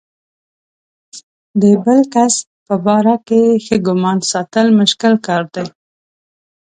د بل کس په باره کې ښه ګمان ساتل مشکل کار دی.